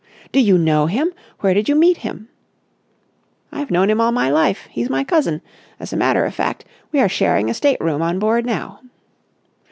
"Do you know him? Where did you meet him?" "I've known him all my life. He's my cousin. As a matter of fact, we are sharing a state room on board now."